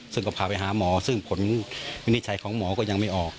ซึ่งก็พาไปหาหมอซึ่งผลวินิจฉัยของหมอก็ยังไม่ออก